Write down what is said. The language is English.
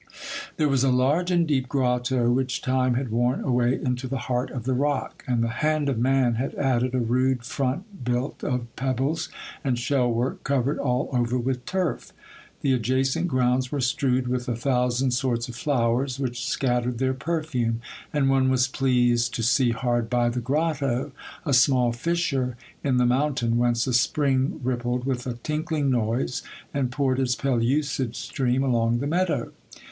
There was a large and deep grotto which time had worn away into the heart of the rock ; and the hand of man had added a rude front built of pebbles and shell work, covered all over with turf. The adjacent grounds were strewed with a thousand sorts of flowers, which scattered their perfume; and one was pleased to see hard by the grotto, a small fissure in the mountain, whence a spring rip pled with a tinkling noise, and poured its pellucid stream along the meadow.